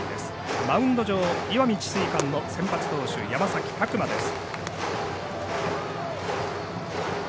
マウンド上石見智翠館の先発投手山崎琢磨です。